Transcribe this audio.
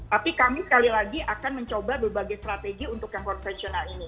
tapi kami sekali lagi akan mencoba berbagai strategi untuk yang konvensional ini